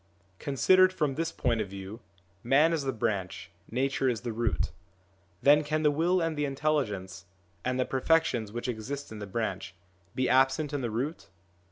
Considered from this point of view man is the branch, nature is the root ; then can the will and the intelligence, and the perfections which exist in the branch, be absent in the root